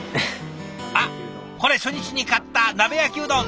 あっこれ初日に買った鍋焼きうどん！